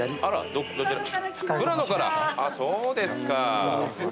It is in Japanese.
あっそうですか。